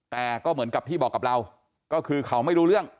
แต่ก็เหมือนกับที่บอกกับเราก็คือเขาไม่รู้เรื่อง